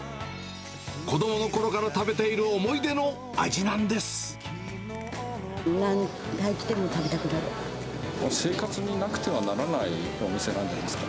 子どものころから食べている思い出の味なんです。